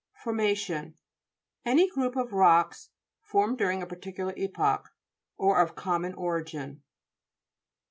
FORMA'TIOK Any group of rocks formed during a particular epoch, or of common origin.